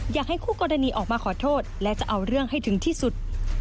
อยากให้คู่กรณีออกมาขอโทษและจะเอาเรื่องให้ถึงที่สุด